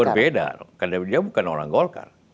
berbeda karena dia bukan orang golkar